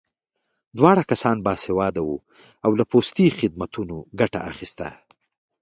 دواړه کسان باسواده وو او له پوستي خدمتونو ګټه اخیست